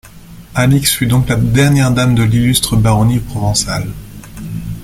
Alix fut donc la dernière Dame de l’illustre baronnie provençale.